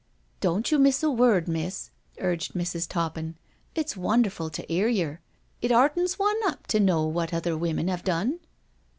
" Don't you miss a word, miss," urged Mrs. Toppin. " It's wonderful to 'ear yer. It heartens one up to know what other women *ave done."